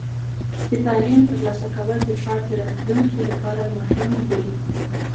د تعلیم ترلاسه کول د فرد د راتلونکي لپاره مهم دی.